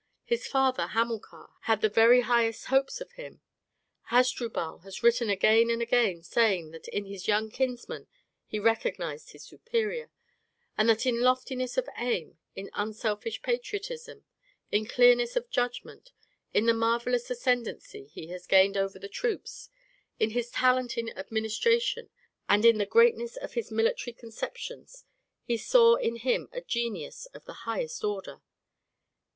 His father, Hamilcar, had the very highest hopes of him, Hasdrubal has written again and again saying that in his young kinsman he recognized his superior, and that in loftiness of aim, in unselfish patriotism, in clearness of judgment, in the marvellous ascendency he has gained over the troops, in his talent in administration, and in the greatness of his military conceptions, he saw in him a genius of the highest order.